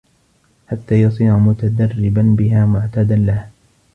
حَتَّى يَصِيرَ مُتَدَرِّبًا بِهَا مُعْتَادًا لَهَا